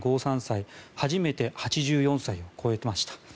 初めて８４歳を超えました。